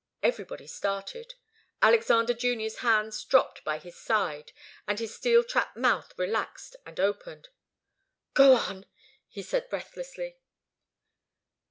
Everybody started. Alexander Junior's hands dropped by his sides, and his steel trap mouth relaxed and opened. "Go on!" he said, breathlessly.